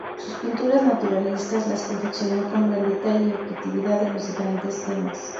Sus pinturas naturalistas, las confeccionó con gran detalle y objetividad en los diferentes temas.